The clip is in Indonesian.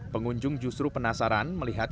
pengunjung justru penasaran melihat